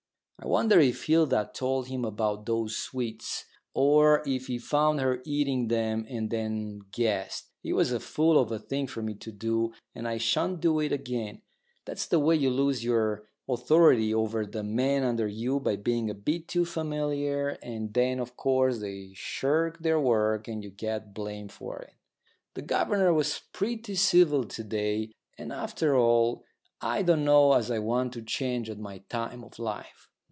I wonder if Hilda told him about those sweets, or if he found her eating them and then guessed. It was a fool of a thing for me to do, and I shan't do it again. That's the way you lose your authority over the men under you, by being a bit too familiar, and then of course they shirk their work and you get blamed for it. The governor was pretty civil to day, and after all, I don't know as I want to change at my time of life.